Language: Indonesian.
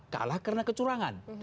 kalah karena kecurangan